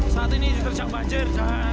saat ini diterjang banjir